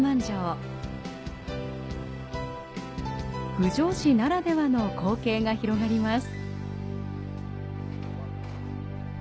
郡上市ならではの光景が広がります。